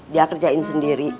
biar kerjain sendiri